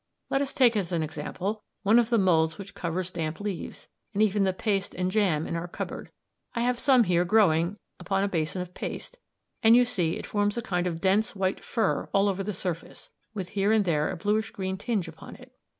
Let us take as an example one of the moulds which covers damp leaves, and even the paste and jam in our cupboard. I have some here growing upon a basin of paste, and you see it forms a kind of dense white fur all over the surface, with here and there a bluish green tinge upon it.